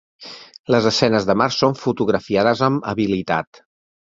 Les escenes de mar són fotografiades amb habilitat.